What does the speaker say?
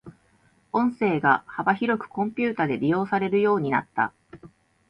音声が幅広くコンピュータで利用されるようになった。